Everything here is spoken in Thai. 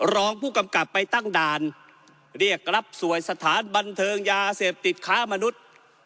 รองผู้กำกับไปตั้งด่านเรียกรับสวยสถานบันเทิงยาเสพติดค้ามนุษย์